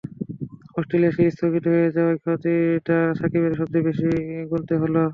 Australia series স্থগিত হয়ে যাওয়ার ক্ষতিটা সাকিবকেই সবচেয়ে বেশি গুনতে হলো।